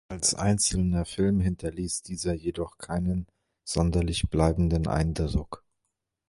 Als einzelner Film hinterließ dieser jedoch keinen sonderlich bleibenden Eindruck.